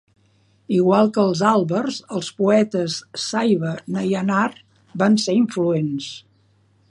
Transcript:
Igual que els Alvars, els poetes Saiva Nayanar van ser influents.